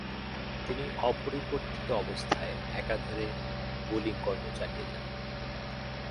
তিনি অপরিবর্তিত অবস্থায় একাধারে বোলিং কর্ম চালিয়ে যান।